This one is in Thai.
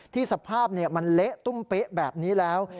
ที่สภาพเนี่ยมันเละตุ้มเป๊ะแบบนี้แล้ว